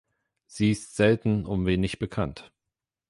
Sie ist selten und wenig bekannt.